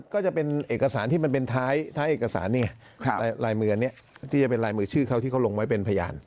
ก็จะเป็นเอกสารที่มันเป็นท้ายเอกสารนี่ไงลายมืออันนี้ที่จะเป็นลายมือชื่อเขาที่เขาลงไว้เป็นพยาน